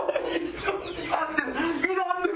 ちょっと待って。